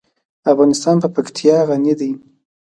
افغانستان په پکتیا غني دی.